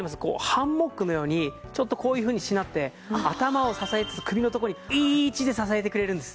ハンモックのようにちょっとこういうふうにしなって頭を支えつつ首のとこにいい位置で支えてくれるんです。